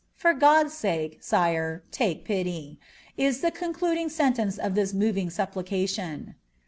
For God's nke, ike pitie ."' is the concluding sentence of this moving supplication.